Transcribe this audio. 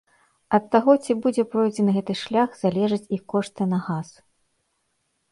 Ад таго, ці будзе пройдзены гэты шлях, залежаць і кошты на газ.